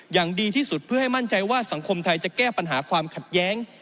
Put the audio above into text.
อย่างดีที่สุดเพื่อให้มั่นใจว่าสังคมไทยจะแก้ปัญหาความขัดแย้ง